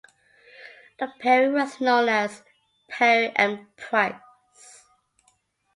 The pairing was known as "Perry and Price".